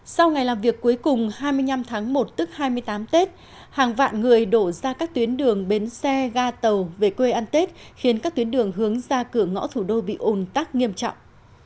sau ngày làm việc cuối cùng hai mươi năm tháng một tức hai mươi tám tết hàng vạn người đổ ra các tuyến đường bến xe ga tàu về quê ăn tết khiến các tuyến đường hướng ra cửa ngõ thủ đô bị ồn tắc nghiêm trọng